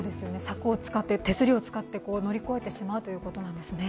柵を使って、手すりを使って乗り越えてしまうということなんですね。